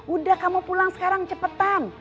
udah kamu pulang sekarang cepatan